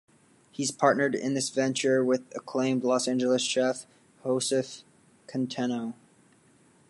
He's partnered in this venture with acclaimed Los Angeles chef Josef Centeno.